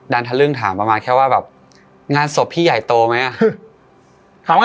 ทะลึ่งถามประมาณแค่ว่าแบบงานศพพี่ใหญ่โตไหมอ่ะ